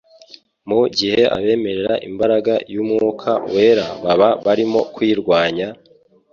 Mu gihe abemerera imbaraga y'Umwuka Wera baba barimo kwirwanya,